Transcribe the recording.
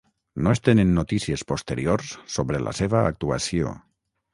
No es tenen notícies posteriors sobre la seva actuació.